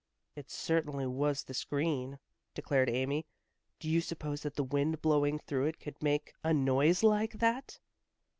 "It certainly was the screen," declared Amy. "Do you suppose that the wind blowing through it could make a noise like that?"